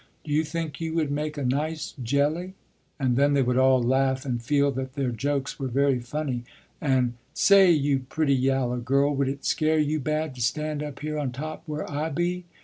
Do you think you would make a nice jelly?" And then they would all laugh and feel that their jokes were very funny. And "Say, you pretty yaller girl, would it scare you bad to stand up here on top where I be?